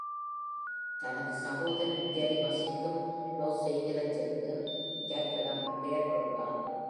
தனது சகோதரன் Gerry வசிக்கும் Los Angeles-க்கு Jack இடம் பெயர்கிறான்,